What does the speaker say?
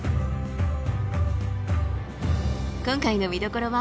今回の見どころは？